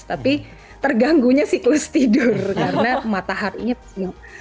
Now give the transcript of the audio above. tapi terganggunya siklus tidur karena mataharinya tersenyum